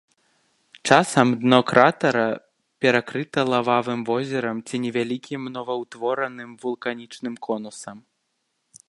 Часам дно кратара перакрыта лававым возерам ці невялікім новаўтвораным вулканічным конусам.